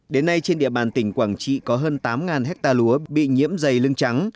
đến nay trên địa bàn tỉnh quảng trị có hơn tám hectare lúa bị nhiễm dày lưng trắng